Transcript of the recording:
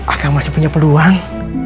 akan masih punya peluang